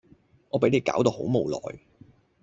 我俾你搞到好無奈